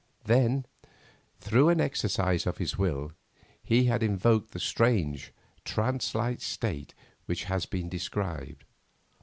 Then, through an exercise of his will, he had invoked the strange, trance like state which has been described.